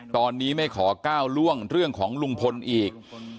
ตอนนี้ไม่ขอก้าวล่วงเรื่องของลุงพลอีก